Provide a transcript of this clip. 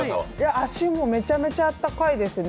足もめちゃめちゃあったかいですね。